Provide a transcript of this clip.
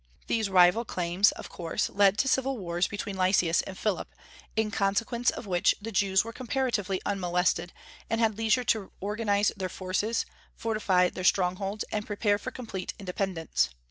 These rival claims of course led to civil wars between Lysias and Philip, in consequence of which the Jews were comparatively unmolested, and had leisure to organize their forces, fortify their strongholds, and prepare for complete independence.